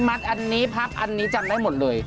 มัดอันนี้พับอันนี้จำได้หมดเลย